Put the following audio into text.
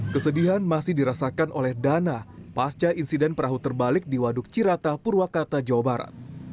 kesedihan masih dirasakan oleh dana pasca insiden perahu terbalik di waduk cirata purwakarta jawa barat